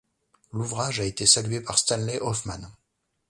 L'ouvrage a été salué par Stanley Hoffmann.